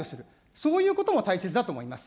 そういうことも大切だと思います。